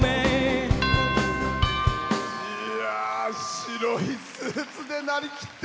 白いスーツでなりきって。